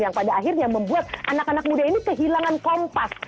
yang pada akhirnya membuat anak anak muda ini kehilangan kompas